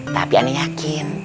tapi aneh yakin